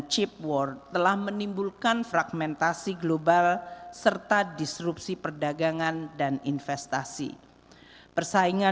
chip war telah menimbulkan fragmentasi global serta disrupsi perdagangan dan investasi persaingan